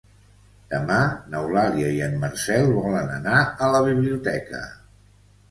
Demà n'Eulàlia i en Marcel volen anar a la biblioteca.